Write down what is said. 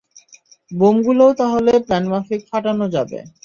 বোমগুলোও তাহলে প্ল্যানমাফিক ফাটানো যাবে।